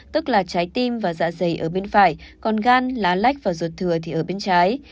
tức là trái tim và dạ dày ở bên phải còn gan lá lách và ruột thừa thì ở bên trái